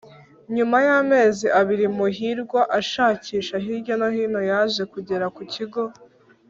nyuma y'amezi abiri muhirwa ashakisha hirya no hino yaje kugera ku kigo